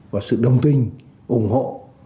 và sự đồng tình ủng hộ